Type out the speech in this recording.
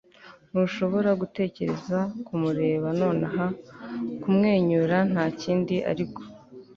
ntushobora gutekereza - kumureba nonaha - kumwenyura ntakindi ariko